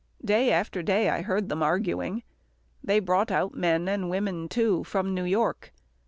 Day after day I heard them arguing. They brought out men, and women too, from New York.